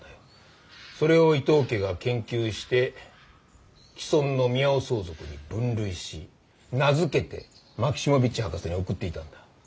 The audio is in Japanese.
それを伊藤家が研究して既存のミヤオソウ属に分類し名付けてマキシモヴィッチ博士に送っていたんだ。